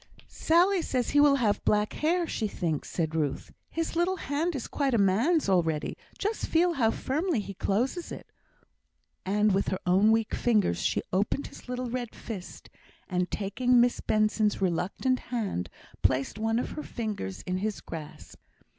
"Sally says he will have black hair, she thinks," said Ruth. "His little hand is quite a man's, already. Just feel how firmly he closes it;" and with her own weak fingers she opened his little red fist, and taking Miss Benson's reluctant hand, placed one of her fingers in his grasp.